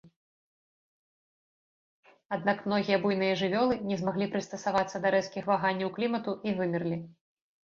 Аднак многія буйныя жывёлы не змаглі прыстасавацца да рэзкіх ваганняў клімату і вымерлі.